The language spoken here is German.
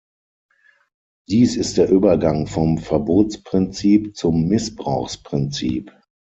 Dies ist der Übergang vom Verbotsprinzip zum Missbrauchsprinzip.